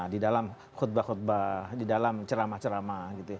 di dalam khutbah khutbah di dalam ceramah ceramah